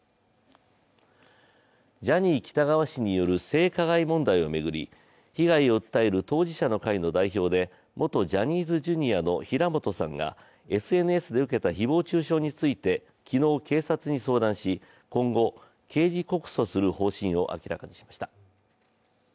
ジャニー喜多川氏による性加害問題を巡り、被害を訴える当事者の会の代表で元ジャニーズＪｒ．の平本さんがＳＮＳで受けた誹謗中傷について昨日警察に相談し、今後、刑事告訴する方針を明らかにしました。